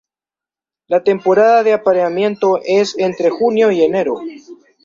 La temporada de apareamiento es entre junio y enero.